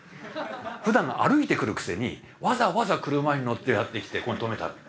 ふだん歩いて来るくせにわざわざ車に乗ってやって来てここに止めた。